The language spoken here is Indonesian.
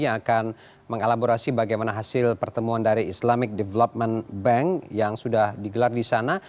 yang akan mengelaborasi bagaimana hasil pertemuan dari islamic development bank yang sudah digelar di sana